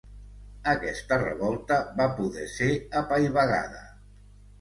Aquesta revolta va poder ser apaivagada.